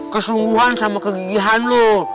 kesungguhan sama kegigihan lu